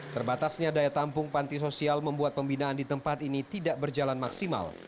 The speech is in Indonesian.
terbatasnya daya tampung panti sosial membuat pembinaan di tempat ini tidak berjalan maksimal